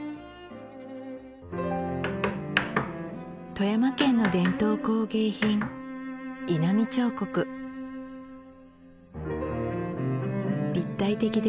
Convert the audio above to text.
富山県の伝統工芸品立体的で躍動感のある